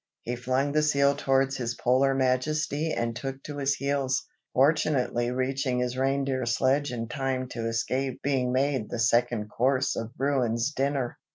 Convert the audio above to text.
He flung the seal towards his Polar Majesty, and took to his heels, fortunately reaching his reindeer sledge in time to escape being made the second course of Bruin's dinner.